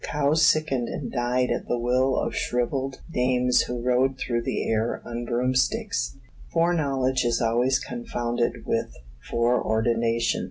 Cows sickened and died at the will of shrivelled dames who rode through the air on broomsticks. Foreknowledge is always confounded with foreordination.